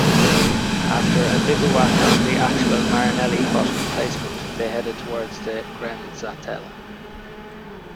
After a bivouac on the actual Marinelli hut emplacement, they headed towards the Grenzsattel.